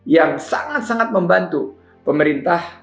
yang sangat sangat membantu pemerintah